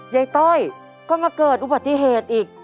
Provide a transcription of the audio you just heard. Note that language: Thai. ต้อยก็มาเกิดอุบัติเหตุอีก